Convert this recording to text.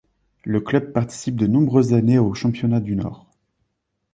Le club participe de nombreuses années au championnat du Nord.